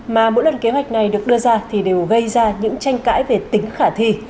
mà mỗi lần kế hoạch này được đưa ra thì đều gây ra những tranh cãi về tính khả thi